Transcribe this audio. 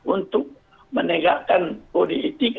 untuk menegakkan politik